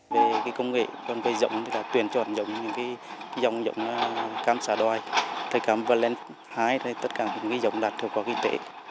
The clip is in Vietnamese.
về công nghệ còn về giống thì tuyển chuẩn giống giống giống cam xà đoài thầy cam valence high tất cả những giống đạt thuộc vào kinh tế